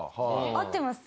合ってます？